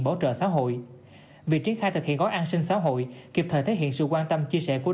bảo trợ xã hội việc triển khai thực hiện gói an sinh xã hội kịp thời thể hiện sự quan tâm chia sẻ của